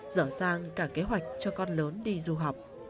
dở dàng cả kế hoạch cho con lớn đi du học